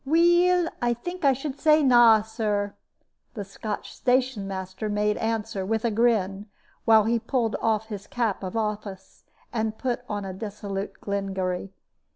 "Weel, a think I should say nah, Sir," the Scotch station master made answer, with a grin, while he pulled off his cap of office and put on a dissolute Glengary.